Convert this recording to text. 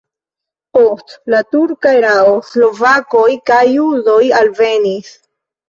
Post la turka erao slovakoj kaj judoj alvenis.